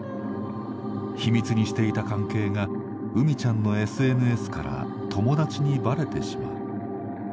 秘密にしていた関係がうみちゃんのＳＮＳから友達にバレてしまう。